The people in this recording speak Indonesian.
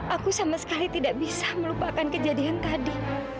aku sama sekali tidak bisa melupakan kejadian tadi